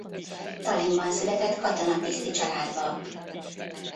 Tallinnban született katonatiszti családba.